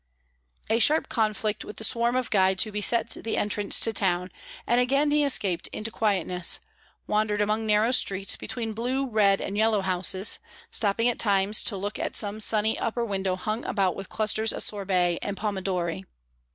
A sharp conflict with the swarm of guides who beset the entrance to the town, and again he escaped into quietness, wandered among narrow streets, between blue, red, and yellow houses, stopping at times to look at some sunny upper window hung about with clusters of sorbe and pomidori.